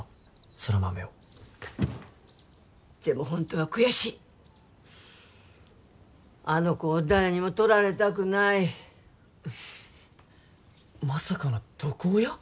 空豆をでもホントは悔しいっあの子を誰にもとられたくないまさかの毒親！？